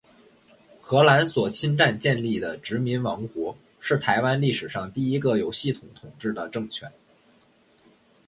荷兰所侵占建立的殖民王国，是台湾历史上第一个有系统统治的政权。